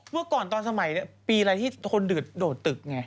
เมื่อก่อนตอนสมัยปีอะไรที่คนโดดตึกไง